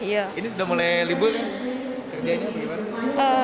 ini sudah mulai libur kerjanya bagaimana